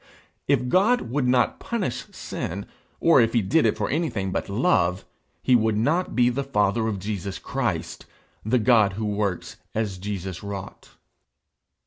If God would not punish sin, or if he did it for anything but love, he would not be the father of Jesus Christ, the God who works as Jesus wrought.